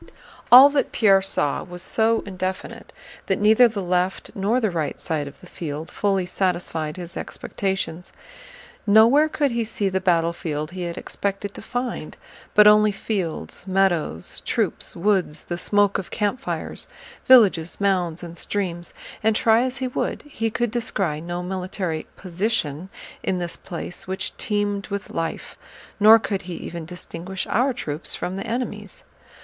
All that Pierre saw was so indefinite that neither the left nor the right side of the field fully satisfied his expectations. Nowhere could he see the battlefield he had expected to find, but only fields, meadows, troops, woods, the smoke of campfires, villages, mounds, and streams; and try as he would he could descry no military "position" in this place which teemed with life, nor could he even distinguish our troops from the enemy's.